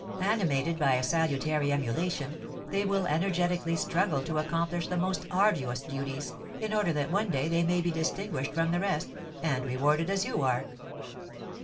Animated by a salutary emulation, they will energetically struggle to accomplish the most arduous duties, in order that one day they may be distinguished from the rest, and rewarded as you are."